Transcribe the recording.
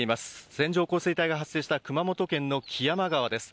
線状降水帯が発生した熊本県の木山川です。